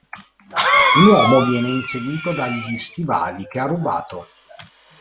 Un uomo viene inseguito dagli stivali che ha rubato.